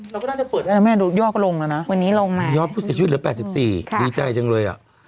เราก็น่าจะเปิดได้นะแม่ยอดก็ลงแล้วนะยอดผู้เสียชีวิตเหลือ๘๔รายดีใจจังเลย